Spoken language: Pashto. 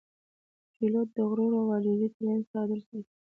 پیلوټ د غرور او عاجزۍ ترمنځ تعادل ساتي.